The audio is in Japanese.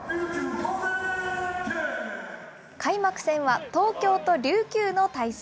開幕戦は東京と琉球の対戦。